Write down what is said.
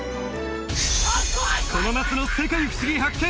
この夏の「世界ふしぎ発見！」